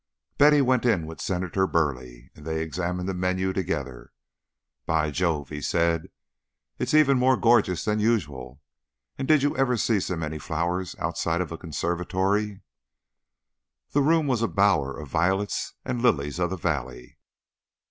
Betty went in with Senator Burleigh, and they examined the menu together. "By Jove," he said, "it's even more gorgeous than usual. And did you ever see so many flowers outside of a conservatory?" The room was a bower of violets and lilies of the valley.